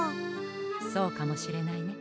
そうかもしれないね。